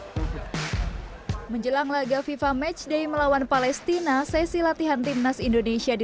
hai menjelang laga fifa matchday melawan palestina sesi latihan timnas indonesia di